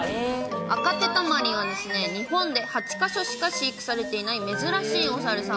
アカテタマリンは、日本で８か所しか飼育されていない珍しいお猿さん。